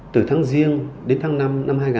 từ tháng giêng đến tháng năm hai nghìn một mươi